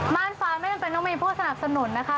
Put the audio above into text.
่านฟ้าไม่จำเป็นต้องมีผู้สนับสนุนนะคะ